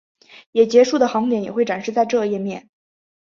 也结束的航点也会展示在这页面。